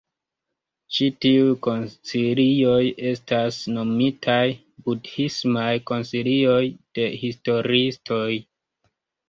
Ĉi tiuj koncilioj estas nomitaj "budhismaj koncilioj" de historiistoj.